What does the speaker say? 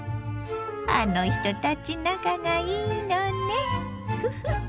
あの人たち仲がいいのねフフッ。